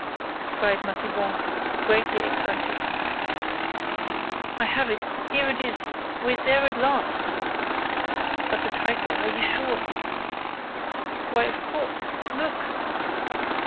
cried Massiban, greatly excited. "I have it—here it is—we're there at last!" "But the title—are you sure?—" "Why, of course: look!"